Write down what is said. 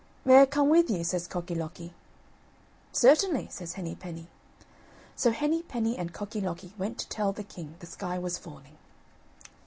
"May I come with you?" says Cocky locky. "Certainly," says Henny penny. So Henny penny and Cocky locky went to tell the king the sky was falling.